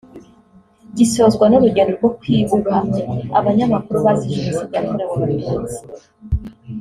gisozwa n’urugendo rwo kwibuka abanyamakuru bazize Jenoside yakorewe Abatutsi